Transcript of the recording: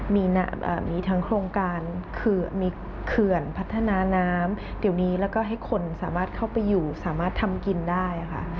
มีทั้งโครงการคือมีเขื่อนพัฒนาน้ำเดี๋ยวนี้แล้วก็ให้คนสามารถเข้าไปอยู่สามารถทำกินได้ค่ะ